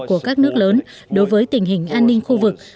của các nước lớn đối với tình hình an ninh khu vực